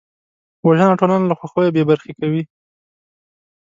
وژنه ټولنه له خوښیو بېبرخې کوي